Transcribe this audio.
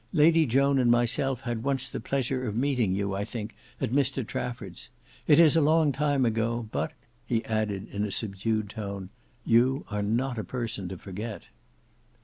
Lady Joan and myself had once the pleasure of meeting you, I think, at Mr Trafford's. It is a long time ago, but," he added in a subdued tone, "you are not a person to forget."